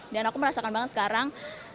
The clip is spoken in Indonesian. dan aku merasakan banget sekarang